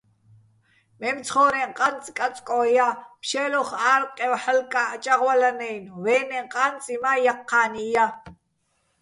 მემცხო́რეჼ ყანწ კაწკოჼ ჲარ, ფშე́ლოხ ა́რყევ ჰ̦ალკა́ჸ ჭაღვალანაჲნო, ვე́ნეჼ ყა́ნწი მა́ ჲაჴჴა́ნი ჲა.